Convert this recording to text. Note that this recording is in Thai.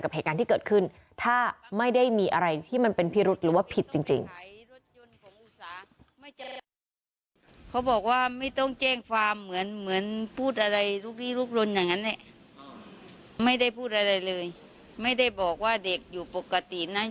ยังความปริสุทธิ์ใจกับแห่งการที่เกิดขึ้น